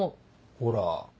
ほら。